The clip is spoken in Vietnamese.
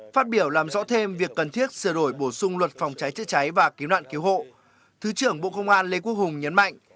phát biểu làm rõ thêm việc cần thiết sửa đổi bổ sung luật phòng cháy chữa cháy và cứu nạn cứu hộ thứ trưởng bộ công an lê quốc hùng nhấn mạnh